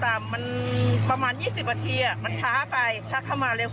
ถ้าเข้ามาเร็วกว่านี้ฟาดเสียหายจะน้อยกว่านี้